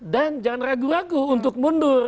dan jangan ragu ragu untuk mundur